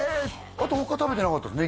あと他食べてなかったです？